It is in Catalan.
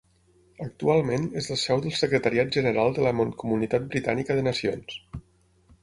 Actualment és la seu del Secretariat General de la Mancomunitat Britànica de Nacions.